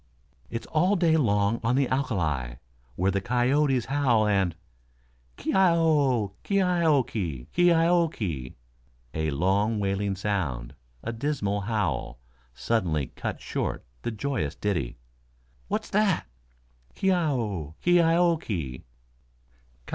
"It's all day long on the alka li. Where the coyotes howl and " "Ki i i i o o o! Ki i i i o o o ki! K i i i o o ki!" A long wailing sound a dismal howl, suddenly cut short the joyous ditty. "What's that!" "Ki i i i o o o! Ki i i i o o ki!"